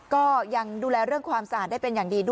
ก็ยังดูแลเรื่องความสะอาดได้เป็นอย่างดี